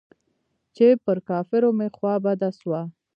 چې پر کفارو مې خوا بده سوه.